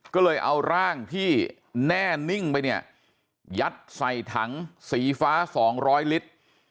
ก็เลยเอาร่างที่แน่นิ่งไปเนี่ยยัดใส่ถังสีฟ้า๒๐๐ลิตร